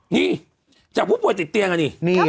นี่จากผู้ป่วยติดเตียงอ่ะนี่